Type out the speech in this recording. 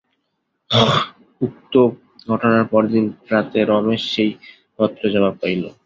উক্ত ঘটনার পরদিন প্রাতে রমেশ সেই পত্রের জবাব পাইল।